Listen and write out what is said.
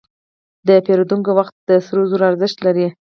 د پیرودونکي وخت د سرو زرو ارزښت لري.